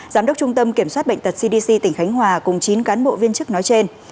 giám đốc trung tâm kiểm soát bệnh tật cdc tỉnh khánh hòa cùng chín cán bộ viên chức nói trên